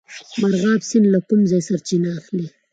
مرغاب سیند له کوم ځای سرچینه اخلي؟